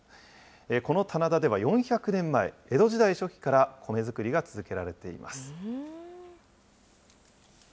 この棚田では４００年前、江戸時代初期から米作りが続けられています。